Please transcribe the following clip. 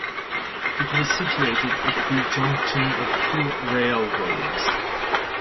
It was situated at the junction of two railroads.